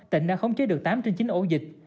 tỉnh đã khống chế được tám trên chín ổ dịch